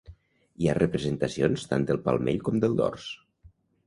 Hi ha representacions tant del palmell com del dors.